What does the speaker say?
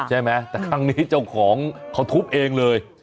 ใช่ไหมแต่ครั้งนี้เจ้าของเขาทุบเองเลย